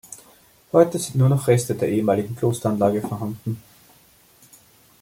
Heute sind nur noch Reste der ehemaligen Klosteranlage vorhanden.